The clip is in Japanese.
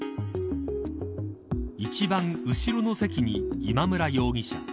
一番後ろの席に今村容疑者。